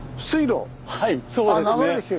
はいそうですね。